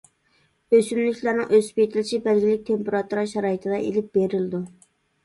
ئۆسۈملۈكلەرنىڭ ئۆسۈپ يېتىلىشى بەلگىلىك تېمپېراتۇرا شارائىتىدا ئېلىپ بېرىلىدۇ.